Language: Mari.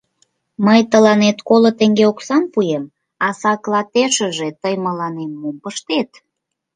— Мый тыланет коло теҥге оксам пуэм, а саклатешыже тый мыланем мом пыштет?